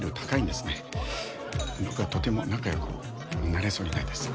僕はとても仲良くなれそうにないです。